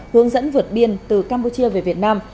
hướng dẫn vượt biên từ campuchia về việt nam